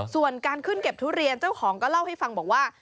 ส่วนการขึ้นเก็บทุเรียนเจ้าของก็เล่าให้ฟังบอกว่า